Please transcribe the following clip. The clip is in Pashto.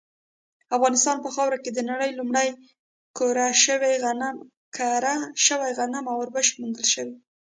افغانستان په خاوره کې د نړۍ لومړني کره شوي غنم او وربشې موندل شوي